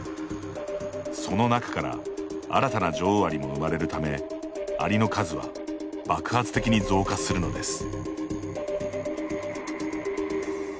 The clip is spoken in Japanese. その中から新たな女王アリも生まれるためアリの数は爆発的に増加するのです。